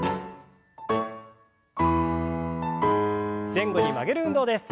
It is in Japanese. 前後に曲げる運動です。